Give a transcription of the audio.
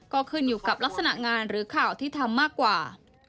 ก็ขึ้นอยู่กับลักษณะงานหรือข่าวที่ทำมากกว่า